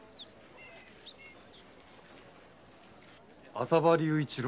浅葉隆一郎。